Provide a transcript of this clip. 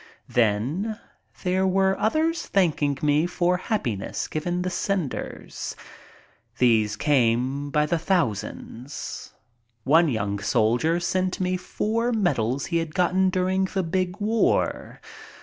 Then there were others thanking me for happiness given the senders. These came by the thousand. One young 78 MY TRIP ABROAD soldier sent me four medals he had gotten during the big war.